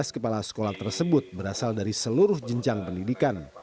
tujuh belas kepala sekolah tersebut berasal dari seluruh jenjang pendidikan